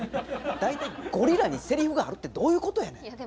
大体ゴリラにせりふがあるってどういうことやねん！